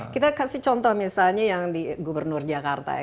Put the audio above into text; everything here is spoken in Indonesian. kita kasih contoh misalnya yang di gubernur jakarta ya